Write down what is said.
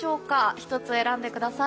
１つ選んでください。